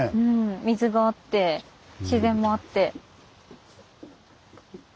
水があって自然もあって。